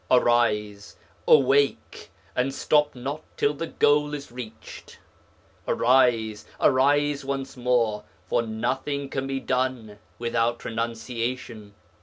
"Arise, awake, and stop not till the goal is reached." Arise, arise once more, for nothing can be done without renunciation.